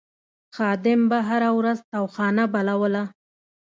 خادم به هره ورځ تاوخانه بلوله.